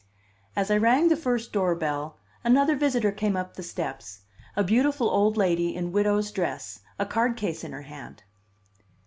As I rang the first doorbell, another visitor came up the steps, a beautiful old lady in widow's dress, a cardcase in her hand.